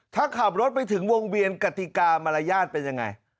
ถ้าขับรถไปถึงวงเวียนกติกามารยาทเป็นยังไง